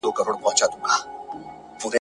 یوه شمع به ختمېږي خو بلېږي به سل نوري ..